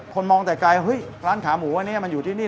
คนมองแต่ไกลเฮ้ยร้านขาหมูอันนี้มันอยู่ที่นี่